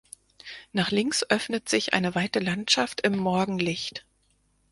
Nach links öffnet sich eine weite Landschaft im Morgenlicht.